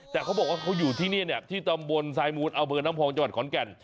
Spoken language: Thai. แต่เขาบอกว่าเขาอยู่ที่นี่เนี่ยที่ตำบลทรายมูลอำเภอน้ำพองจังหวัดขอนแก่น